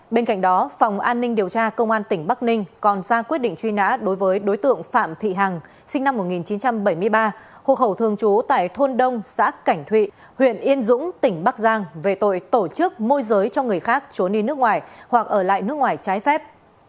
bên cạnh đó phòng an ninh điều tra công an tỉnh bắc ninh còn ra quyết định truy nã đối với đối tượng phạm thị hằng sinh năm một nghìn chín trăm bảy mươi ba hộ khẩu thường trú tại thôn đông xã cảnh thụy huyện yên dũng tỉnh bắc giang về tội tổ chức môi giới cho người khác trốn đi nước ngoài hoặc ở lại nước ngoài trái phép